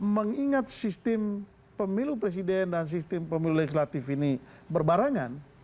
mengingat sistem pemilu presiden dan sistem pemilu legislatif ini berbarangan